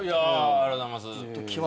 ありがとうございます。